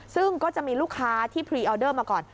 ซึ่งก็จะมีลูกค้าที่พรีออเดอร์มาก่อน